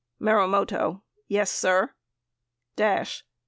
Marumoto. Yes, sir. Dash.